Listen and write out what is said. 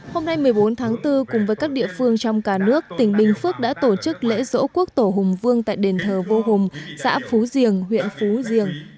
hôm nay một mươi bốn tháng bốn cùng với các địa phương trong cả nước tỉnh bình phước đã tổ chức lễ dỗ quốc tổ hùng vương tại đền thờ vô hùng xã phú diềng huyện phú diềng